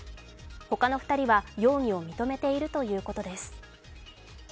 他の２人は容疑を認めているということです。